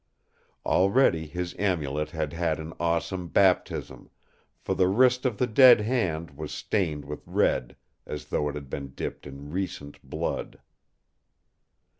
Already his Amulet had had an awesome baptism; for the wrist of the dead hand was stained with red as though it had been dipped in recent blood.